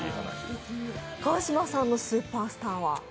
川島さんのスーパースターは？